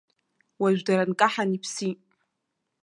Уажә дара нкаҳан иԥсит.